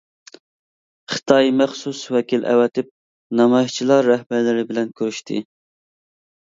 خىتاي مەخسۇس ۋەكىل ئەۋەتىپ نامايىشچىلار رەھبەرلىرى بىلەن كۆرۈشتى.